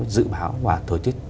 dự báo và thời tiết